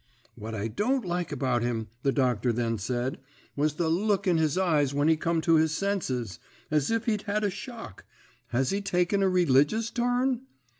"'What I don't like about him,' the doctor then said, 'was the look in his eyes when he come to his senses as if he'd had a shock. Has he taken a religious turn?'